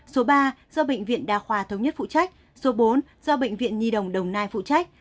số ba do bệnh viện đa khoa thống nhất phụ trách số bốn do bệnh viện nhi đồng đồng nai phụ trách